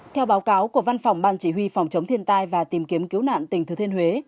theo báo cáo của văn phòng ban chỉ huy phòng chống thiên tai và tìm kiếm cứu nạn tỉnh thừa thiên huế